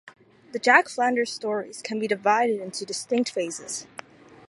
The Jack Flanders stories can be divided into distinct phases.